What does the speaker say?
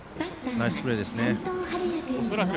ナイスプレーですね。